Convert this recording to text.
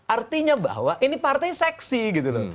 artinya bahwa ini partai seksi gitu loh